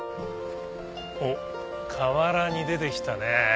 おっ河原に出てきたね。